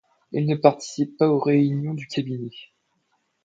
Il ne participe pas aux réunions du Cabinet.